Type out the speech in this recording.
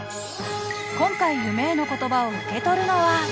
今回夢への言葉を受け取るのは。